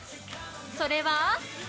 それは。